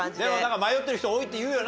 迷ってる人多いっていうよな。